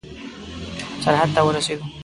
سرحد ته ورسېدو.